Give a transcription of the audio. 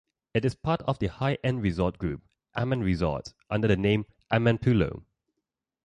It is part of the high-end resort group, Aman Resorts, under the name "Amanpulo".